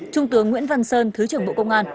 trung tướng nguyễn văn sơn thứ trưởng bộ công an